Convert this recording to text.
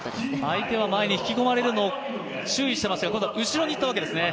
相手は前に引き込まれるのを注意していたところを後ろにいったわけですね。